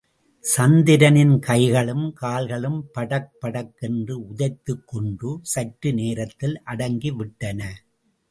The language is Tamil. சந்திரனின் கைகளும் கால்களும் படக் படக் என்று உதைத்துக் கொண்டு, சற்று நேரத்தில் அடங்கி விட்டன.